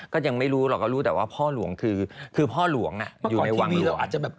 ก็ยังไม่รู้เราก็รู้แต่ว่าพ่อหลวงคือคือพ่อหลวงอยู่ในวังหลวง